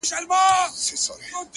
زه مي له ژونده په اووه قرآنه کرکه لرم”